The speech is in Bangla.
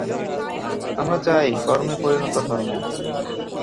আমরা চাই কর্মে পরিণত ধর্ম।